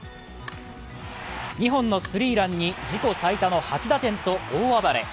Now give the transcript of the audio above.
２本のスリーランに自己最多の８打点と大暴れ。